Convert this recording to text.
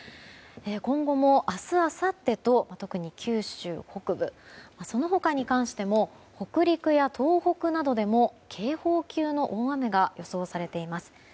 今後も明日、あさってと特に九州北部その他に関しても北陸や東北などでも警報級の大雨が予想されています。